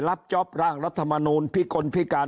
รับจ๊อบร่างรัฐธรรมนูญพิกลพิการ